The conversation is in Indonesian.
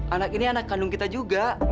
anak ini anak kandung kita juga